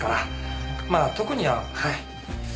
まあ特にははい。